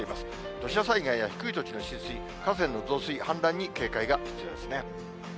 土砂災害や低い土地の浸水、河川の増水、氾濫に警戒が必要ですね。